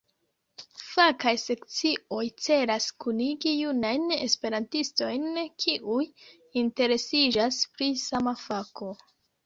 Fakaj sekcioj celas kunigi junajn Esperantistojn kiuj interesiĝas pri sama fako.